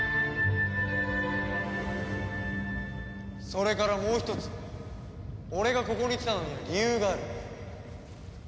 それからもう一つ俺がここに来たのには理由がある。